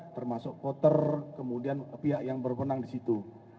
termasuk koter kemudian pihak yang berkenang di situ